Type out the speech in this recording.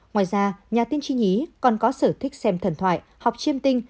ngoài ra nhà tiên tri nhí còn có sở thích xem thần thoại học chiêm tinh